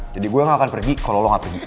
jadi gue gak akan pergi kalo lo gak pergi